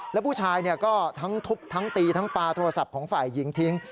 แล้วผู้ชายก็ทั้งทุบทั้งตีทั้งปลาโทรศัพท์ของฝ่ายหญิงทิ้ง